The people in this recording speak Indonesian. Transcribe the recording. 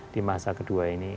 di masa kedua ini